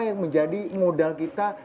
yang menjadi modal kita